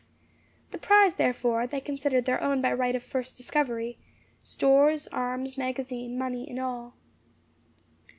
The prize, therefore, they considered their own by right of first discovery stores, arms, magazine, money and all.